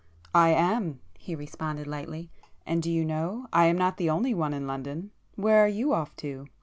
"I am!" he responded lightly—"And do you know I am not the only one in London! Where are you off to?"